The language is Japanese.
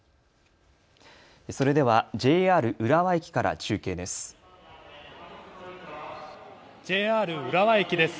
それではＪＲ浦和駅から中継です。